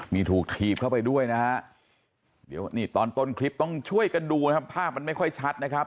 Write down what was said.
นี่ถูกถีบเข้าไปด้วยนะฮะเดี๋ยวนี่ตอนต้นคลิปต้องช่วยกันดูนะครับภาพมันไม่ค่อยชัดนะครับ